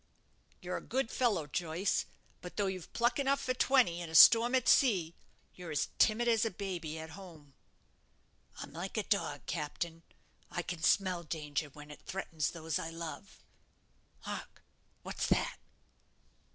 "You're a good fellow, Joyce; but though you've pluck enough for twenty in a storm at sea, you're as timid as a baby at home." "I'm like a dog, captain I can smell danger when it threatens those I love. Hark! what's that?"